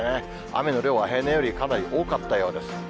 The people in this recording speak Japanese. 雨の量は平年よりかなり多かったようです。